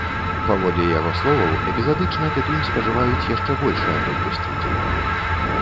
Паводле яго словаў, эпізадычна тытунь спажываюць яшчэ большая колькасць людзей.